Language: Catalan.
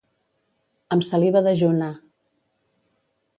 Amb saliva dejuna.